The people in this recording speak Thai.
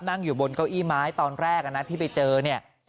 นั่งอยู่บนเก้าอี้ไม้ตอนแรกนะที่ไปเจอเนี่ย